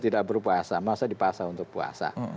tidak berpuasa maksudnya dipaksa untuk puasa